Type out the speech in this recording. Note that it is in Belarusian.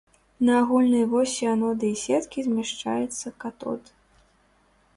На агульнай восі анода і сеткі змяшчаецца катод.